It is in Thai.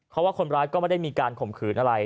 เพราะว่าคนร้ายก็ไม่ได้มีการข่มขืนอะไร